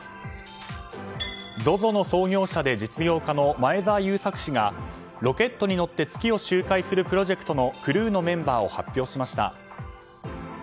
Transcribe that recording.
ＺＯＺＯの創業者で実業家の前澤友作氏がロケットに乗って月を周回するプロジェクトのクルーのメンバーを発表しました。